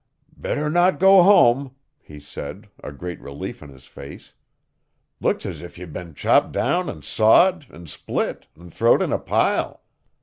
'Better not go hum,' he said, a great relief in his face. 'Look 's if ye'd been chopped down an' sawed an' split an' throwed in a pile.